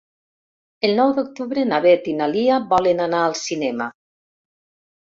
El nou d'octubre na Beth i na Lia volen anar al cinema.